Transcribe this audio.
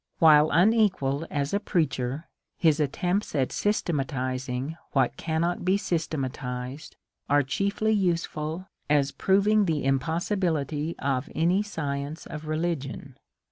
While unequalled as a preacher, his attempts at systematizing what cannot be systematized are chiefly useful as proving the impossibility of any science of religion.